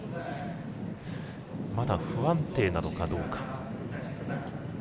まだ不安定なのかどうか。